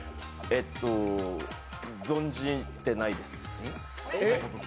えっと存じてないです。